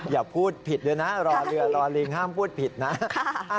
อย่าพูดผิดด้วยนะรอเรือรอลิงห้ามพูดผิดนะ